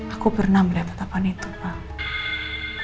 aku pernah melihat tetapan itu pak